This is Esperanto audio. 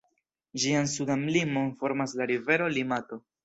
Ĝian sudan limon formas la rivero Limato.